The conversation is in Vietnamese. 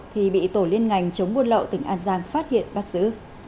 thì bị tổ liên ngành chống buôn lậu tỉnh an giang phát hiện bắt giữ